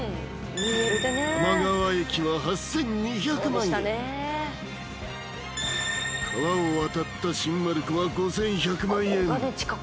多摩川駅は８２００万円川を渡った新丸子は５１００万円